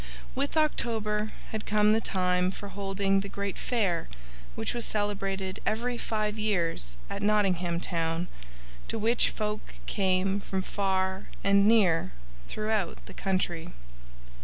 With October had come the time for holding the great Fair which was celebrated every five years at Nottingham Town, to which folk came from far and near throughout the country.